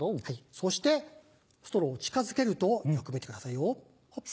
そしてストローを近づけるとよく見てくださいよ。